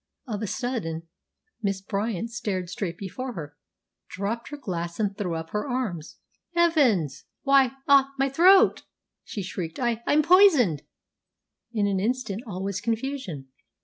Of a sudden Miss Bryant stared straight before her, dropped her glass, and threw up her arms. 'Heavens! Why ah, my throat!' she shrieked. 'I I'm poisoned!' "In an instant all was confusion.